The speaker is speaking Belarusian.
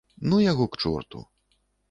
Ну яго к чорту.